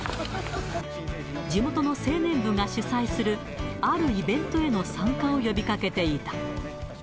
地元の青年部が主催する、あるイベントへの参加を呼びかけていた。